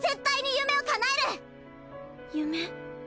夢。